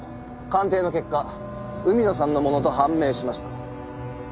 鑑定の結果海野さんのものと判明しました。